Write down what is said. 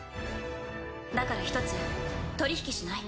だから１つ取り引きしない？